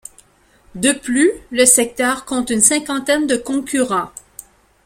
De plus, le secteur compte une cinquantaine de concurrents.